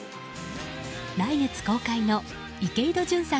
来月公開の池井戸潤さん